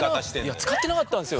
使ってなかったんですよ。